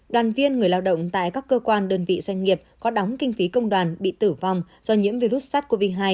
đoàn viên người lao động tại các cơ quan đơn vị doanh nghiệp có đóng kinh phí công đoàn bị tử vong do nhiễm virus sars cov hai